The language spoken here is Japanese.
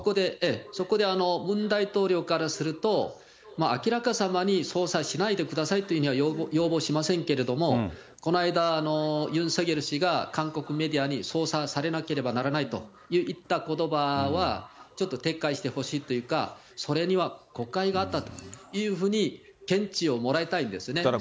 そこでムン大統領からすると、明らかさまに捜査しないでくださいというふうには要望はしませんけれども、この間、ユン・ソギョル氏が韓国メディアに捜査されなければならないと言ったことばは、ちょっと撤回してほしいというか、それには誤解があったというふうに言質をもらいたいんですね。